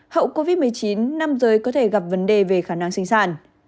hậu covid một mươi chín năm rơi có thể gặp vấn đề về khả năng sinh sản